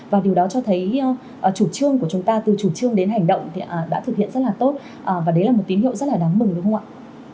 và điều đó cho thấy chủ trương của chúng ta từ chủ trương đến hành động thì đã thực hiện rất là tốt và đấy là một tín hiệu rất là đáng mừng đúng không ạ